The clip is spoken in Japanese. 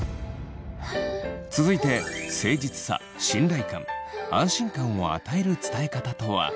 続いて誠実さ信頼感安心感を与える伝え方とは？